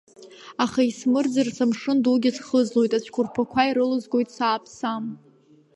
Аха исмырӡырц амшын дугьы схыӡлоит, ацәқәырԥақәа ирылызгоит сааԥсам.